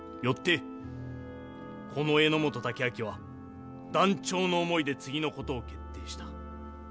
よってこの榎本武揚は断腸の思いで次の事を決定した。